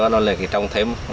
nó lại trồng thêm